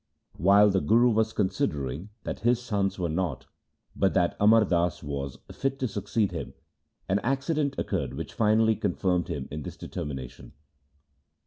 While the Guru was considering that his sons were not, but that Amar Das was, fit to succeed him, an accident occurred which finally confirmed him in his determination.